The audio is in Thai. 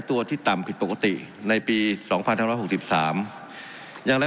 ตัวที่ต่ำผิดปกติในปีสองพันห้าร้อยหกสิบสามอย่างไร